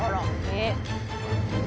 「えっ？」